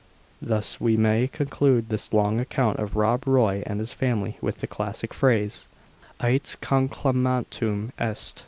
Thus we may conclude this long account of Rob Roy and his family with the classic phrase, Ite. Conclamatum est.